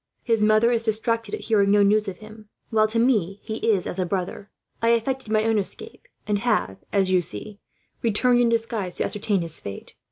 His mother is distracted at hearing no news of him, while to me he is as a brother. "I effected my own escape, and have, as you see, returned in disguise to ascertain his fate.